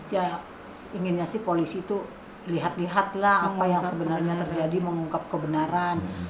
ya inginnya sih polisi itu lihat lihatlah apa yang sebenarnya terjadi mengungkap kebenaran